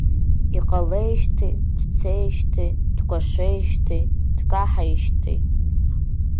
Иҟалеижьҭеи, дцеижьҭеи, дкәашеижьҭеи, дкаҳаижьҭеи…